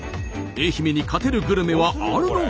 愛媛に勝てるグルメはあるのか？